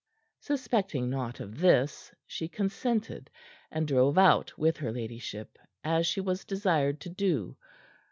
Suspecting naught of this, she consented, and drove out with her ladyship as she was desired to do.